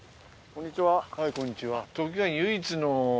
はいこんにちは。